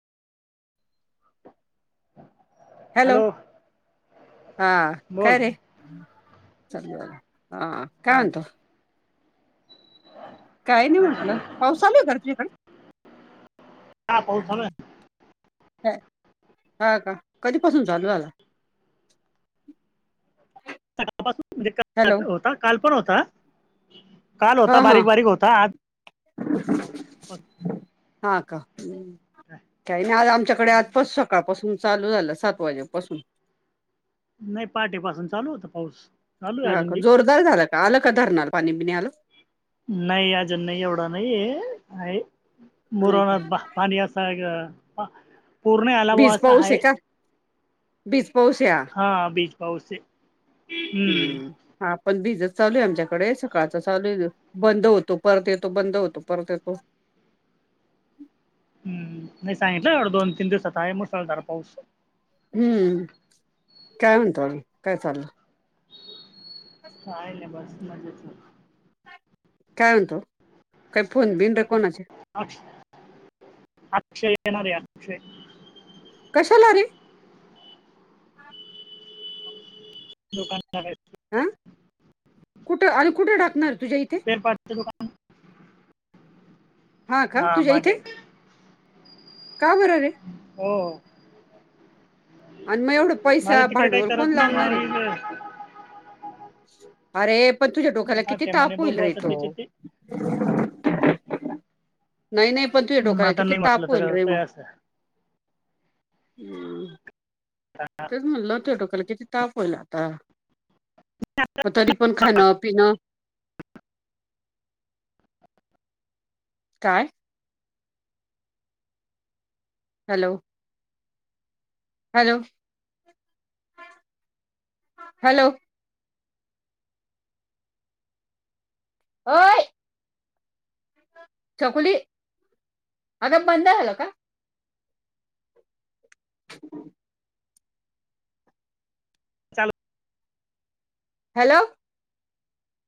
Hello, हा काय रे हा काय म्हणता म्हणतो? काय नाही अच्छा, म्हटलं बोल. पाऊस आहे का रे तुझ्याकडे हा पाऊस चालू हाय. ह हा का कधीपासून चालू झाला. सकाळपासून म्हणजे होता. हॅलो म्हणजे काल होता. काल पण होता. काल हा होता हा बारीक बारीक होता आज हा का काही नाही आज आमच्याकडे आजपास सकाळ पासून चालू झाला सात वाजेपासून नाही पहाटेपासून चालू होता पाऊस चालू आहे हा अजून का बी जोरदार झाला का आलं का धरणार पाणी बिनी आलं. नाही अजून नाये एवढा नाहीये आहे. नाही का मुरनाट बां पाणी असणार आहे ग पूर नाय आला बुआ असा आहे. बिज पाऊस ये हा पाऊस ये. हम्म हा पण भिज चालू आहे आमच्याकडे सकाळचा चालू ये बंद होतो परत येतो बंद होतो परत येतो. [inaudible] हम्म नाही सांगितलं एवढं दोन तीन दिवसात आहे मुसळधार पाऊस हम्म काय म्हणतो अजून काय चाललंय? काय नाय बस मजेत. काय म्हणतो? काय फोन बिन र कोणाचे? अक्ष अक्षय येणारे अक्षय कशाला रे दुकान हं कुठं आणि कुठ टाकणार तुझ्या इथे स्पेअर पार्टचं हा का तुज्या इथे का बर रे? हो आणि मग एवढं पैसा माझं तिकडे काही भांडवल कोण करत नाही मला लावणारे. इकडे अरे पण तुझ्या डोक्याला हा किती ते म्हणे ताप होईल बघू रे आता तो त्याचे ते नाय नाय पण तुझ्या मग डोक्याला आता किती नाही म्हटलं ताप होईल तर रे मग काय असं हम्म तेच म्हणलं तुझ्या डोक्याला किती ताप होईल आता पण तरी पण खान पिनं काय? हॅलो हॅलो हॅलो होय. छकुली अगं बंद झाल का? [inaudible] चाल हॅलो?